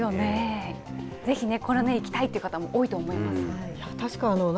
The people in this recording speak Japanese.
ぜひこれで行きたいという方も多いと思います。